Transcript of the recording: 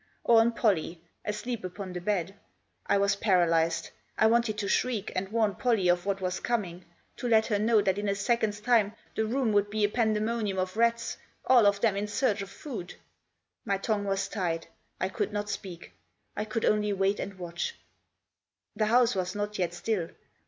Or on Pollie, asleep upon the bed? I was paralysed. I wanted to shriek and warn Pollie of what was coming ; to let her know that in a second's time the room would be a pandemonium of rats, all of them in search of food. My tongue was tied. I could not speak. I could only wait and watch. The house was not yet still.